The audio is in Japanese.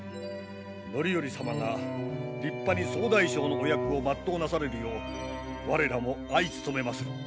範頼様が立派に総大将のお役を全うなされるよう我らも相勤めまする。